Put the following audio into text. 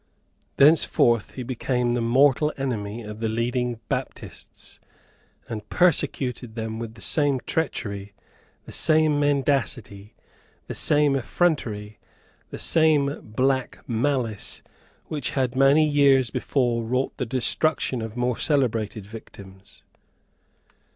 Thenceforth he became the mortal enemy of the leading Baptists, and persecuted them with the same treachery, the same mendacity, the same effrontery, the same black malice which had many years before wrought the destruction of more celebrated victims.